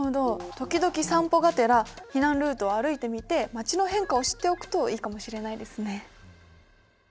時々散歩がてら避難ルートを歩いてみて街の変化を知っておくといいかもしれないですね。